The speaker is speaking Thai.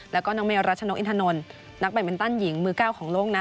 แล้วก็น้องเมรัชนกอินทนนท์นักแบตมินตันหญิงมือเก้าของโลกนะ